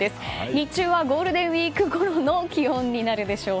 日中はゴールデンウィークごろの気温になるでしょう。